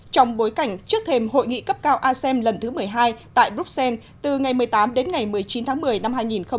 trong bối cảnh trước thêm hội nghị cấp cao asem lần thứ một mươi hai tại bruxelles từ ngày một mươi tám đến ngày một mươi chín tháng một mươi năm hai nghìn một mươi chín